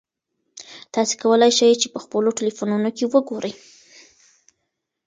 تاسي کولای شئ په خپلو ټیلیفونونو کې وګورئ.